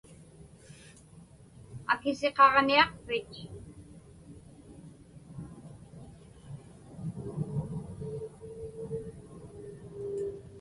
Akisiqaġniaqpich?